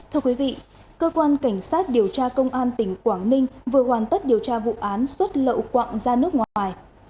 thưa quý vị cơ quan cảnh sát điều tra công an tỉnh quảng ninh vừa hoàn tất điều tra vụ án xuất lậu quạng ra nước ngoài